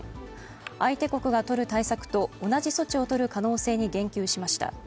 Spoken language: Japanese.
相手国がとる対策を同じ措置をとる可能性に言及しました。